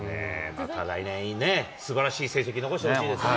また来年ね、すばらしい成績残してほしいですね。